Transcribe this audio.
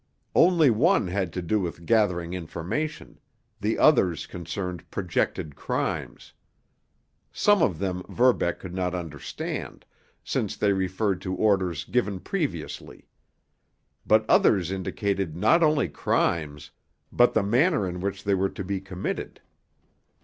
Only one had to do with gathering information; the others concerned projected crimes. Some of them Verbeck could not understand, since they referred to orders given previously. But others indicated not only crimes, but the manner in which they were to be committed.